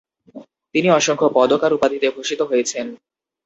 তিনি অসংখ্য পদক আর উপাধিতে ভূষিত হয়েছেন।